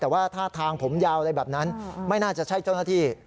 แต่ว่าท่าทางผมยาวอะไรแบบนั้นไม่น่าจะใช่เจ้าหน้าที่